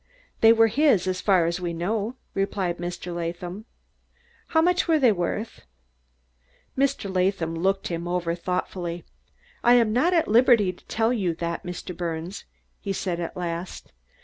"They were his, as far as we know," replied Mr. Latham. "How much were they worth?" Mr. Latham looked him over thoughtfully. "I am not at liberty to tell you that, Mr. Birnes," he said at last.